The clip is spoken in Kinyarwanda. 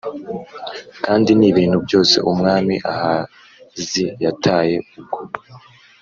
Kandi n ibintu byose Umwami Ahazi yataye ubwo